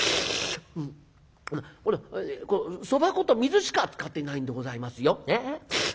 「そば粉と水しか使ってないんでございますよ」。